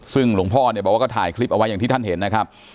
ซึ่งหลวงพ่อเนี่ยบอกว่าก็ถ่ายคลิปเอาไว้อย่างที่ท่านเห็นนะครับ